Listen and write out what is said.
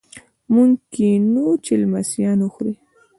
موږ کینوو چې لمسیان وخوري.